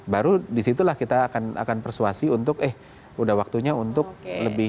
baru disitulah kita akan persuasi untuk eh udah waktunya untuk lebih